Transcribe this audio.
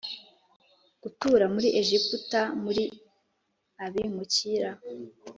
gutura muri Egiputa muri abimukira